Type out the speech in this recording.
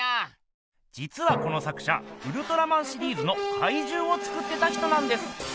じつはこの作者ウルトラマンシリーズのかいじゅうを作ってた人なんです。